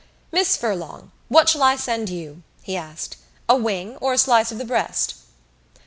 "Miss Furlong, what shall I send you?" he asked. "A wing or a slice of the breast?"